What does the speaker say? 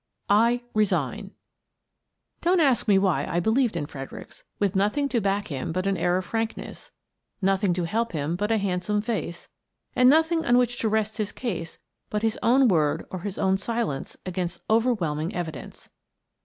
I RESIGN Don't ask me why I believed in Fredericks, with nothing to back him but an air of frankness, nothing to help him but a handsome face, and nothing on which to rest his case but his own word or his own silence against overwhelming evidence.